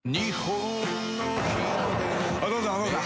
お父さんお父さん。